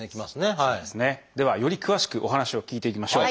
ではより詳しくお話を聞いていきましょう。